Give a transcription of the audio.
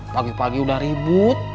pagi pagi udah ribut